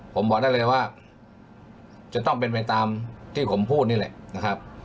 ผมบอกได้เลยว่าจะต้องเป็นไปตามที่ผมพูดนี่แหละนะครับ